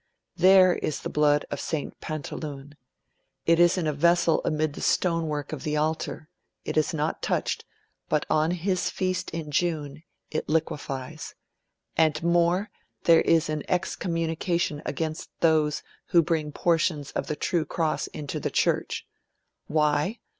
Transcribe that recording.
There is the blood of St. Pantaleon. It is in a vessel amid the stonework of the Altar it is not touched but on his feast in June it liquefies. And more, there is an excommunication against those who bring portions of the True Cross into the Church. Why?